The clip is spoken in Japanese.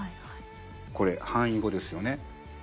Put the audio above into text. これ反意語ですよね。